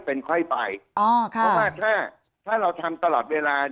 เพราะว่าถ้าเราทำตลอดเวลา